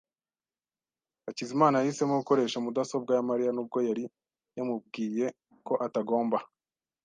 Hakizimana yahisemo gukoresha mudasobwa ya Mariya nubwo yari yamubwiye ko atagomba.